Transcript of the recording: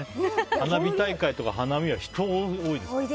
花火大会とか花見は人が多いですからね。